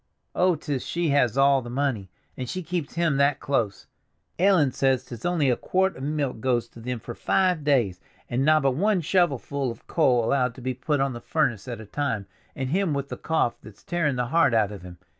Oh, 'tis she has all the money, and she keeps him that close! Ellen says 'tis only a quart of milk goes to them for five days, and nobbut one shovelful of coal allowed to be put on the furnace at a time, and him with the cough that's tearing the heart out of him!